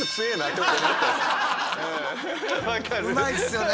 うまいですよね